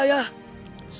terima kasih kisanak